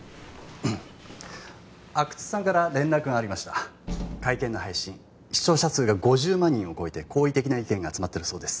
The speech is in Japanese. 阿久津さんから連絡がありました会見の配信視聴者数が５０万人を超えて好意的な意見が集まってるそうです